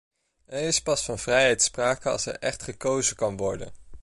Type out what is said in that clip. Er is pas van vrijheid sprake als er echt gekozen kan worden.